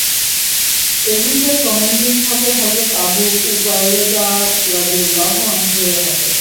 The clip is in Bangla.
এ গ্রুপের কমান্ডিং থাকে হযরত আবু উবায়দা রাযিয়াল্লাহু আনহু-এর হাতে।